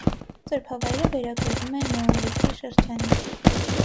Սրբավայրը վերագրվում է նեոլիթի շրջանին։